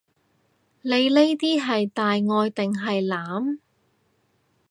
你呢啲係大愛定係濫？